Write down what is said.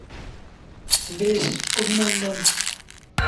বেশ, অভিনন্দন।